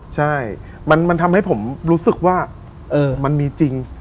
ใช่มันทำให้ผมรู้สึกว่ามันมีจริง